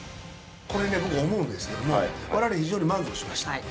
これね僕思うんですけども我々非常に満足しました。